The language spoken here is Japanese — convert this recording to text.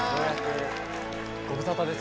ご無沙汰です